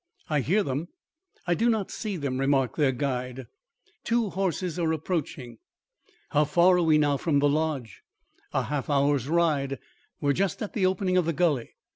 "I hear them; I do not see them," remarked their guide. "Two horses are approaching." "How far are we now from the Lodge?" "A half hour's ride. We are just at the opening of the gully."